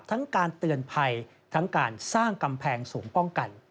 การเตือนภัยทั้งการสร้างกำแพงสูงป้องกัน